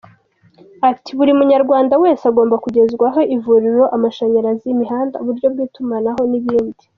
Ati “buri Munyarwanda wese, agomba kugezwaho, ivuriro, amashanyarazi, imihanda, uburyo bw’itumanaho n’ibindi.